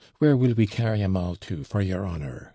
Where WILL we carry 'em all to, for your honour?'